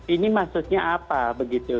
ini maksudnya apa begitu